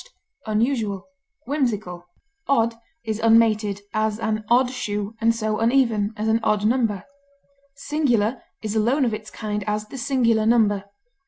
eccentric, ludicrous, Odd is unmated, as an odd shoe, and so uneven, as an odd number. Singular is alone of its kind; as, the singular number.